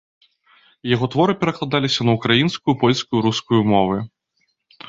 Яго творы перакладаліся на ўкраінскую, польскую і рускую мовы.